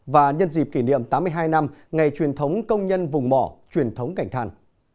và nhân dịp kỷ niệm tám mươi hai năm ngày truyền thống công nhân vùng mỏ truyền thống cảnh thàn